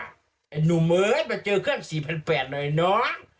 ไอ้หนูเมาะมาเจอเครื่อง๔๘๐๐หน่อยน้อง